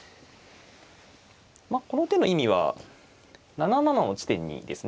この手の意味は７七の地点にですね